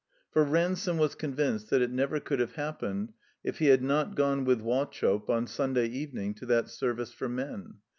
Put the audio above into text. For Ransome was convinced that it never could have happened if he had not gone with Wauchope on Sunday evening to that Service for Men.